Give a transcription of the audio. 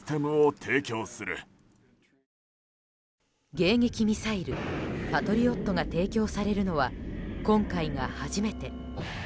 迎撃ミサイル、パトリオットが提供されるのは今回が初めて。